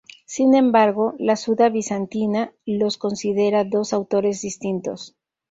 Sin embargo, la Suda bizantina los considera dos autores distintos.